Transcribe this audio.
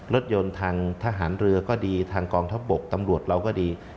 รถยนต์ทางทหารเรือก็ดี